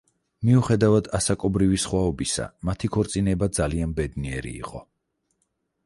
მიუხედავად ასაკობრივი სხვაობისა, მათი ქორწინება ძალიან ბედნიერი იყო.